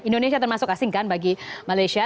indonesia termasuk asing kan bagi malaysia